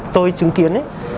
tôi chứng kiến